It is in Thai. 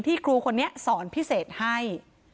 ครูคนนี้สอนพิเศษให้